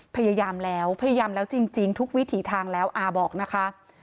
พยายามแล้วพยายามแล้วจริงทุกวิถีทางแล้วอาบอกนะคะ